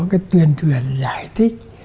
cái tuyền thuyền giải thích